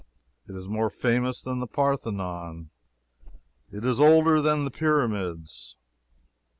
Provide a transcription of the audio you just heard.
It is more famous than the Parthenon; it is older than the Pyramids.